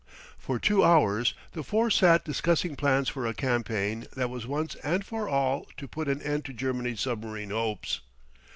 For two hours the four sat discussing plans for a campaign that was once and for all to put an end to Germany's submarine hopes.